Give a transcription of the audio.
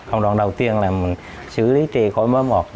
công đoạn đầu tiên là mình xử lý tre có mớ một